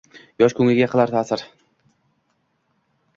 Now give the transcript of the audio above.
Yosh ko’ngliga qilar ta’sir